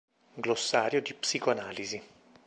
Glossario di psicoanalisi